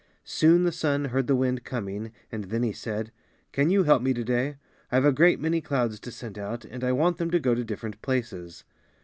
Soon the sun heard the wind coming and then he said, "Can you help me to day? I've a great many clouds to send out and I want them to go to different places."